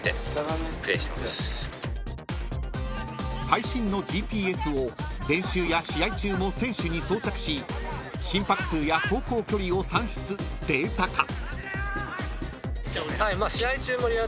［最新のＧＰＳを練習や試合中も選手に装着し心拍数や走行距離を算出データ化］